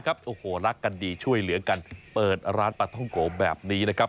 โอ้โหรักกันดีช่วยเหลือกันเปิดร้านปลาท่องโกแบบนี้นะครับ